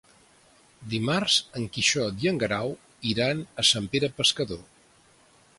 Dimarts en Quixot i en Guerau iran a Sant Pere Pescador.